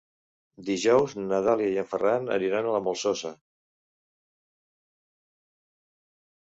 Dijous na Dàlia i en Ferran aniran a la Molsosa.